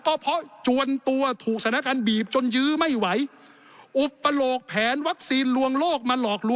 ก็เพราะจวนตัวถูกสนักการณ์บีบ